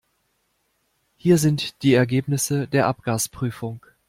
Hier sind die Ergebnisse der Abgasprüfung.